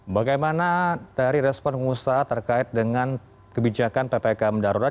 bagaimana dari respon ustadz terkait dengan kebijakan ppk mendarurat